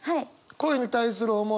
恋に対する思い